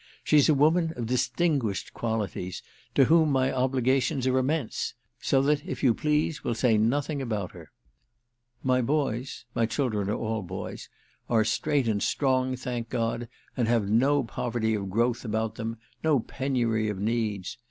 She's a woman of distinguished qualities, to whom my obligations are immense; so that, if you please, we'll say nothing about her. My boys—my children are all boys—are straight and strong, thank God, and have no poverty of growth about them, no penury of needs.